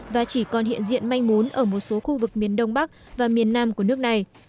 và chỉ còn hiện diện manh mún ở một số khu vực miền đông bắc và miền nam của nước này